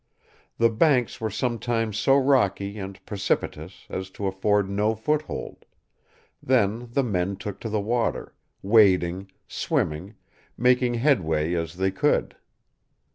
The banks were sometimes so rocky and precipitous as to afford no foothold; then the men took to the water, wading, swimming, making headway as they could.